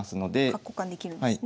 角交換できるんですね。